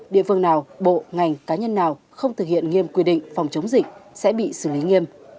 địa phương nào bộ ngành cá nhân nào không thực hiện nghiêm quy định phòng chống dịch sẽ bị xử lý nghiêm